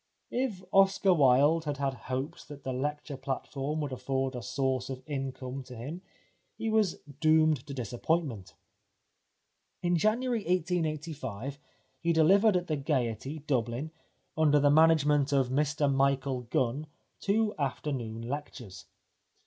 If Oscar Wilde had had hopes that the lecture platform would afford a source of income to him he was doomed to disappointment. In January 1885 he delivered at the Gaiety, Dublin, under the management of Mr Michael Gunn, two afternoon lectures.